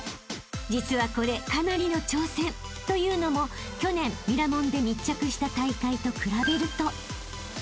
［実はこれかなりの挑戦。というのも去年『ミラモン』で密着した大会と比べると］